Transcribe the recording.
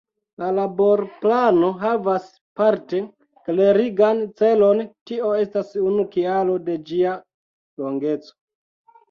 La Laborplano havas parte klerigan celon - tio estas unu kialo de ĝia longeco.